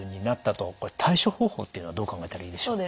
これ対処方法っていうのはどう考えたらいいでしょう？